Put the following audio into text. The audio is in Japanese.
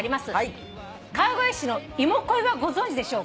「川越市のいも恋はご存じでしょうか？」